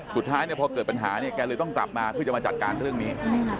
สุดท้ายเนี่ยพอเกิดปัญหาเนี่ยแกเลยต้องกลับมาเพื่อจะมาจัดการเรื่องนี้